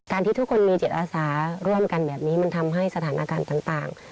ที่ทุกคนมีจิตอาสาร่วมกันแบบนี้มันทำให้สถานการณ์ต่าง